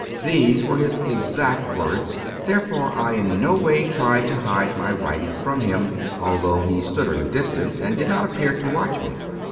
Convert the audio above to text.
These were his exact words, therefore I in no way tried to hide my writing from him, although he stood at a distance and did not appear to watch me.